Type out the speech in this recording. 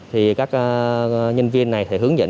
thì các nhân viên này sẽ hướng dẫn